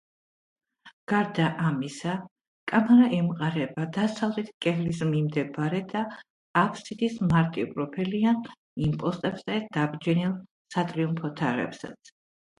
გარდა ამისა, კამარა ემყარება დასავლეთ კედლის მიმდებარე და აფსიდის მარტივპროფილიან იმპოსტებზე დაბჯენილ სატრიუმფო თაღებსაც.